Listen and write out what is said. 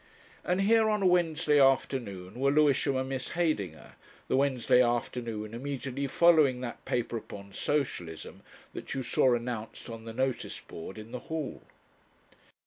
And here, on a Wednesday afternoon, were Lewisham and Miss Heydinger, the Wednesday afternoon immediately following that paper upon Socialism, that you saw announced on the notice board in the hall.